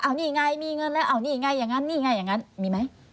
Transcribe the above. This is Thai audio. นี่ไงมีเงินแล้วเอานี่ไงอย่างนั้นนี่ไงอย่างนั้นมีไหม